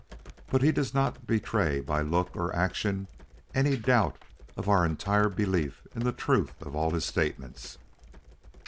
But he does not betray by look or action any doubt of our entire belief in the truth of all his statements.